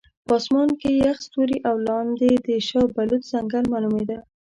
په اسمان کې یخ ستوري او لاندې د شاه بلوط ځنګل معلومېده.